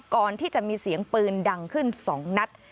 ก่อนที่จะมีเสียงปืนดังขึ้น๒นัด